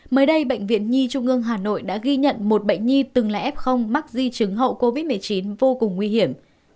mới đây bệnh viện nhi trung ương hà nội đã ghi nhận một bệnh nhi từng là f mắc di chứng hậu covid một mươi chín vô cùng nguy hiểm